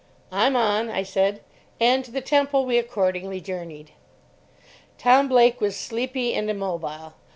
"I'm on," I said, and to the Temple we accordingly journeyed. Tom Blake was sleepy and immobile.